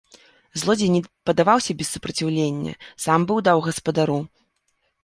Злодзей не падаваўся без супраціўлення, сам быў даў гаспадару.